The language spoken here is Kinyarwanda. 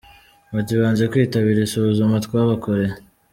Ati “ Banze kwitabira isuzuma twabakoreye.